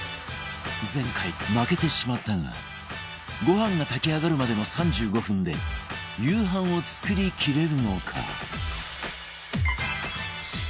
前回負けてしまったがご飯が炊き上がるまでの３５分で夕飯を作りきれるのか？